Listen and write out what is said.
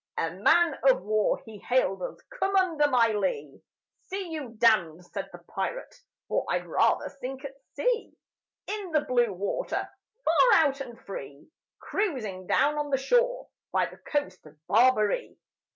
A man of war he hailed us: "Come under my lee!" "See you damned," said the pirate, "For I'd rather sink at sea, In the blue water Far out and free, Cruising down on the shore By the coast of Barbary."